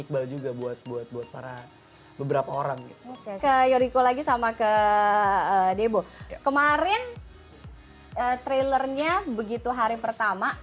buat buat para beberapa orang ke yoriko lagi sama ke debo kemarin trailernya begitu hari pertama